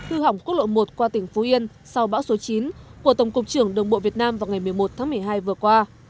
hư hỏng quốc lộ một qua tỉnh phú yên sau bão số chín của tổng cục trưởng đồng bộ việt nam vào ngày một mươi một tháng một mươi hai vừa qua